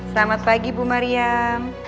selamat pagi bu mariam